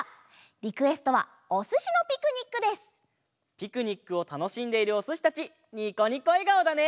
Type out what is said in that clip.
ピクニックをたのしんでいるおすしたちニコニコえがおだね！